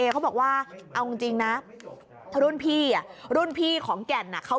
เขาบอกว่าเอาจริงนะถ้ารุ่นพี่อ่ะรุ่นพี่ของแก่นอ่ะเขา